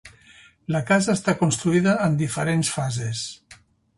La casa està construïda en diferents fases.